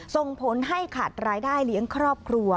ส่งผลให้ขาดรายได้เลี้ยงครอบครัว